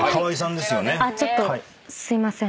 ちょっとすいません。